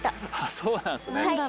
そうなんすね。